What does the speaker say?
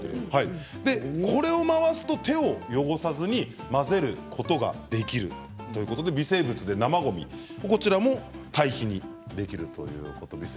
これを回すと手を汚さずに混ぜることができるということで微生物で生ごみを堆肥にできるということです。